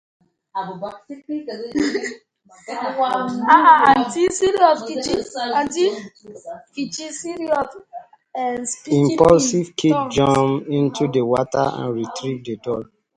Impulsively, Kit jumps into the water and retrieves the doll.